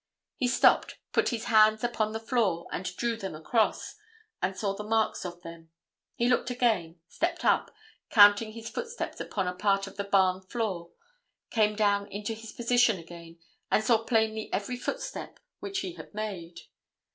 He stopped, put his hands upon the floor and drew them across, and saw the marks of them. He looked again, stepped up, counting his footsteps upon a part of the barn floor, came down into his position again and saw plainly every footstep which he made.